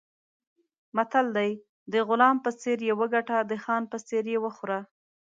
متل دی: د غلام په څېر یې وګټه، د خان په څېر یې وخوره.